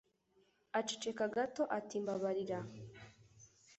Aceceka gato ati: "Mbabarira."